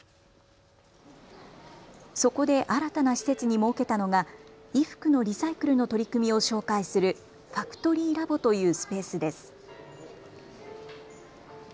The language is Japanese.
そこで新たな施設に設けたのが衣服のリサイクルの取り組みを紹介するＦＡＣＴＯＲＹＬＡＢというスペースです。